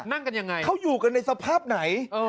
นั่งกันยังไงเขาอยู่กันในสภาพไหน